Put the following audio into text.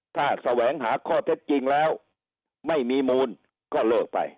ถ้าแสวงหาข้อเท็จจริงแล้วไม่มีมูลก็เลิกไป